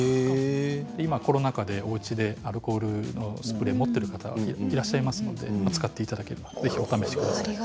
今コロナ禍でおうちでアルコールのスプレーを持っている方いらっしゃいますので、使っていただければぜひお試しください。